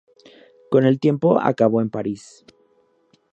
Con el tiempo acabó en París.